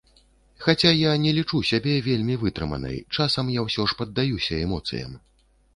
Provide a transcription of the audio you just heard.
Хаця я не лічу сябе вельмі вытрыманай, часам я ўсё ж паддаюся эмоцыям.